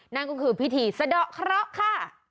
นั่นก็คือพิธีสะดอกเคราะห์ค่ะ